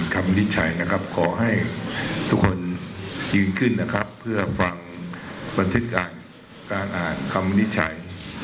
ขอให้ทุกคนยืนขึ้นเพื่อฟังประทิตย์การอ่านคำวินิจฉัย